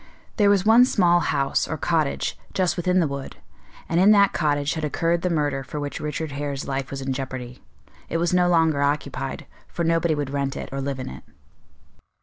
There was one small house, or cottage, just within the wood, and in that cottage had occurred the murder for which Richard Hare's life was in jeopardy. It was no longer occupied, for nobody would rent it or live in it.